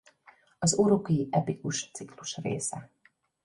Az uruki epikus ciklus része.